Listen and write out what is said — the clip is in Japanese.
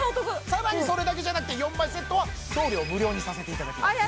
更にそれだけじゃなくて４枚セットは送料無料にさせていただきます！